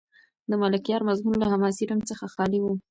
د ملکیار مضمون له حماسي رنګ څخه خالي و.